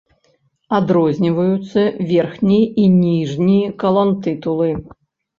Адрозніваюцца верхні і ніжні калонтытулы.